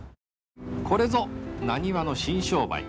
これぞ、なにわの新商売。